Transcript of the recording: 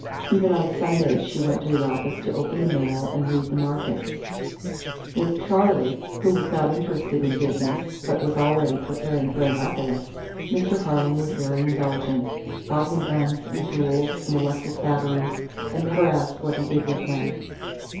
Even on Sundays she went to the office to open the mail and read the markets. With Charley, who was not interested in business, but was already preparing for Annapolis, Mr. Harling was very indulgent; bought him guns and tools and electric batteries, and never asked what he did with them.